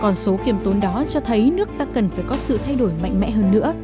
con số khiêm tốn đó cho thấy nước ta cần phải có sự thay đổi mạnh mẽ hơn nữa